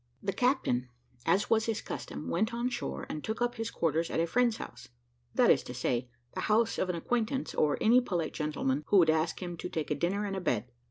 The captain, as was his custom, went on shore, and took up his quarters at a friend's house; that is to say, the house of an acquaintance, or any polite gentleman who would ask him to take a dinner and a bed.